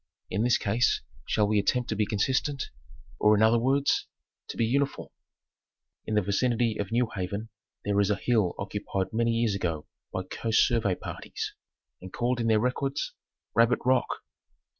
In this case shall we attempt to be consistent, or in other words to be uni form ?; In the vicinity of New Haven there is a hill occupied many years ago by Coast Survey parties, and called in their records Rabbit Rock.